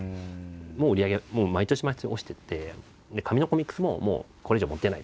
売り上げは毎年毎年落ちてって紙のコミックスももうこれ以上もう出ないとか。